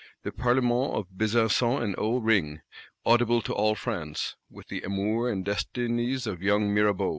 The Parlements of Besancon and Aix ring, audible to all France, with the amours and destinies of a young Mirabeau.